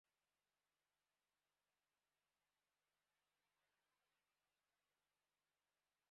A prepaus, auètz opinon politica?